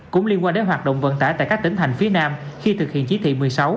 cũng liên quan đến hoạt động vận tải tại các tỉnh thành phía nam khi thực hiện chỉ thị một mươi sáu